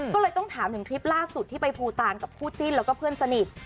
ก็เลยต้องถามถึงคลิปล่าสุดที่ไปภูตานกับคู่จิ้นแล้วก็เพื่อนสนิท